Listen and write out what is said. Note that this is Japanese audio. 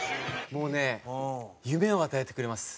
もうね夢を与えてくれます。